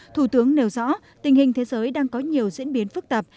thủ tướng nêu rõ tình hình thế giới đang có nhiều diễn biến phức tạp